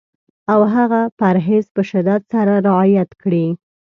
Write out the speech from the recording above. او هغه پرهېز په شدت سره رعایت کړي.